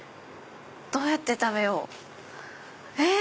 どうやって食べようえっ？